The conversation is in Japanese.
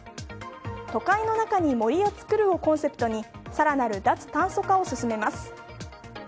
都会の中に森を作るをコンセプトに更なる脱炭素化を進めます。